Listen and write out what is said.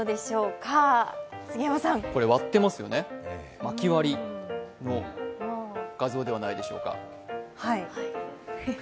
これ、割ってますよね、まき割りの画像ではないでしょうか？